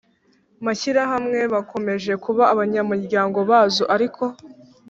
mashyirahamwe bakomeje kuba abanyamuryango bazo Ariko